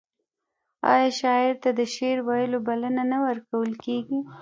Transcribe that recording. آیا شاعر ته د شعر ویلو بلنه نه ورکول کیږي؟